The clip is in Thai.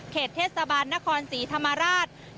เทศบาลนครศรีธรรมราช